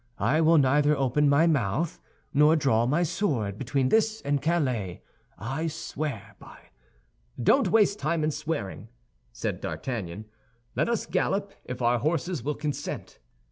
I will neither open my mouth nor draw my sword between this and Calais. I swear by—" "Don't waste time in swearing," said D'Artagnan; "let us gallop, if our horses will consent."